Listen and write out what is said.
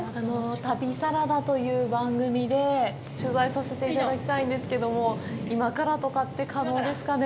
旅サラダという番組で取材させていただきたいんですけども今からとかって可能ですかね。